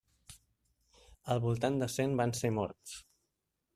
Al voltant de cent van ser morts.